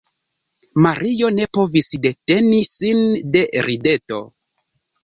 Mario ne povis deteni sin de rideto.